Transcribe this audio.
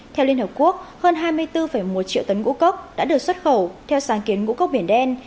theo liên hợp quốc hơn hai mươi bốn một triệu tấn ngũ cốc đã được xuất khẩu theo sáng kiến ngũ cốc biển đen